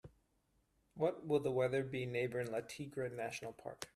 What will the weather be neighboring La Tigra National Park?